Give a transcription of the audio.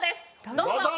どうぞ！